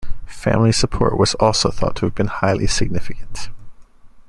Family support was also thought to have been highly significant.